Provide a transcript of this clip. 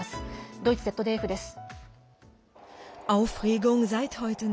ドイツＺＤＦです。